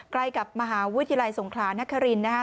ใกล้กับมหาวิทยาลัยสงขลานครินนะครับ